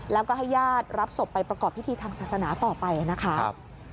แล้วก็ให้ญาติรับศพไปประกอบพิธีทางศาสนาต่อไปนะคะ